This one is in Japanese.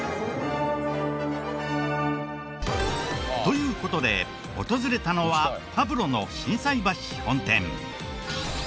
という事で訪れたのはパブロの心斎橋本店。